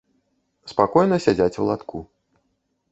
Спакойна сядзяць у латку.